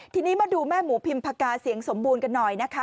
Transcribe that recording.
ทีนี้มาดูแม่หมูพิมพกาเสียงสมบูรณ์กันหน่อยนะคะ